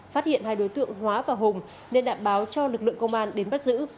phát hiện hai đối tượng hóa và hùng nên đã báo cho lực lượng công an đến bắt giữ